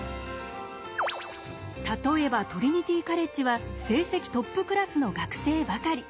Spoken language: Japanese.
例えばトリニティ・カレッジは成績トップクラスの学生ばかり。